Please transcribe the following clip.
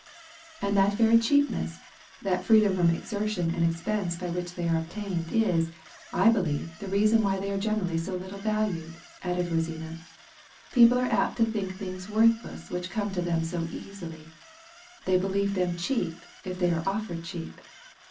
"And that very cheapness, that freedom from exertion and expense by which they are obtained, is, I believe, the reason why they are generally so little valued," added Rosina. "People are apt to think things worthless which come to them so easily. They believe them cheap, if they are offered cheap.